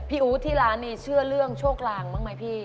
พี่อูทที่ร้านนี้เชื่อเรื่องโชคลังบ้างมั้ยพี่